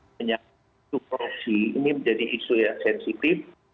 menyakitkan korupsi ini menjadi isu yang sensitif